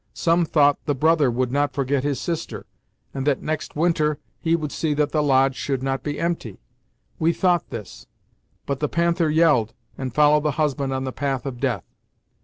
Some thought the brother would not forget his sister, and that, next winter, he would see that the lodge should not be empty. We thought this; but the Panther yelled, and followed the husband on the path of death.